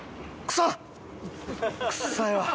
臭いわ。